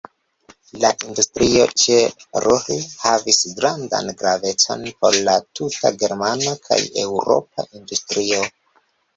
La industrio ĉe Ruhr havis grandan gravecon por la tuta germana kaj eŭropa industrio.